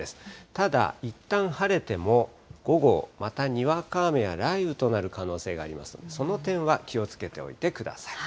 ただ、いったん晴れても、午後またにわか雨や雷雨となる可能性がありますので、その点は気をつけておいてください。